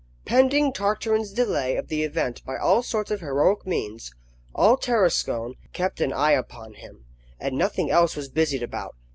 PENDING Tartarin's delay of the event by all sorts of heroic means, all Tarascon kept an eye upon him, and nothing else was busied about.